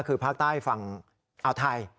คือภาคใต้ฝั่งอ่าวไทย